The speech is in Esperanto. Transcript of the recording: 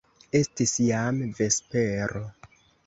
Estis jam vespero.